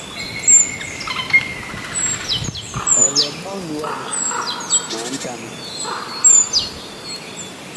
Ɔ lɛ mɔɔn wama ma ntamɛ.